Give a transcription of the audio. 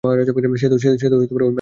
সে তো ওই মায়ের খোকারা।